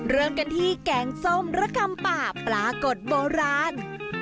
เริ่มกันที่แกงส้มระกำป่าปลากดโบราณ